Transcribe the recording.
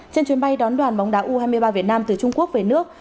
trên chuyến bay đón đoàn bóng đá u hai mươi ba việt nam từ trung quốc về nước